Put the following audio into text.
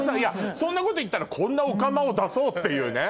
そんなこと言ったらこんなオカマを出そうっていうね。